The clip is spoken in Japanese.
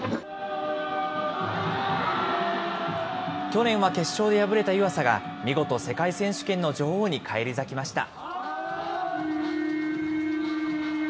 去年は決勝で敗れた湯浅が、見事、世界選手権の女王に返り咲きました。